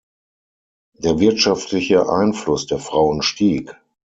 Der wirtschaftliche Einfluss der Frauen stieg.